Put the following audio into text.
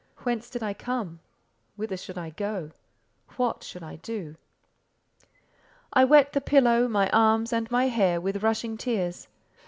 Whence did I come? Whither should I go? What should I do? I wet the pillow, my arms, and my hair, with rushing tears.